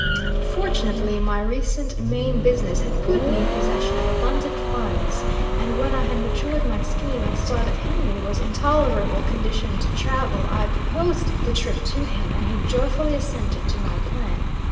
Fortunately, my recent Maine business had put me in possession of abundant funds, and when I had matured my scheme, and saw that Henry was in tolerable condition to travel, I proposed the trip to him, and he joyfully assented to my plan.